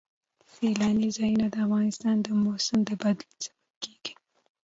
سیلاني ځایونه د افغانستان د موسم د بدلون سبب کېږي.